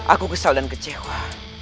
aku kesal dan kecewa